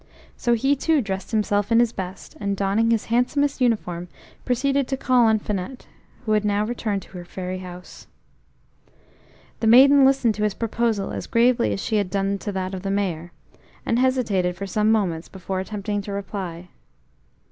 So he too dressed himself in his best, and donning his handsomest uniform proceeded to call on Finette, who had now returned to her fairy house. The maiden listened to his proposal as gravely as she had done to that of the Mayor, and hesitated for some moments before attempting to reply.